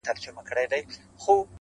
چي جانان مري دى روغ رمټ دی لېونى نـه دی,